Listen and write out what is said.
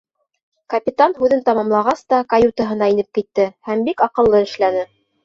Капитан, һүҙен тамамлағас та, каютаһына инеп китте һәм бик аҡыллы эшләне.